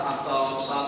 atau satu frame